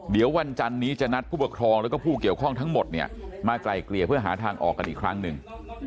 เดี๋ยววันจันนี้จะนัดผู้ปกครองแล้วก็ผู้เกี่ยวข้องทั้งหมดเนี่ยมาไกลเกลี่ยเพื่อหาทางออกกันอีกครั้งหนึ่ง